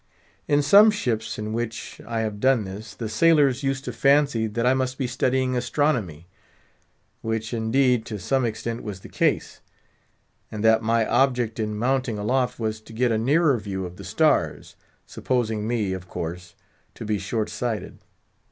In some ships in which. I have done this, the sailors used to fancy that I must be studying astronomy—which, indeed, to some extent, was the case—and that my object in mounting aloft was to get a nearer view of the stars, supposing me, of course, to be short sighted.